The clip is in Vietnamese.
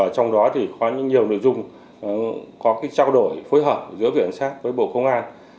trong đó có nhiều đội dung có trao đổi phối hợp giữa viện cảnh sát với bộ công an